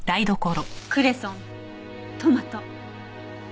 クレソントマト梨。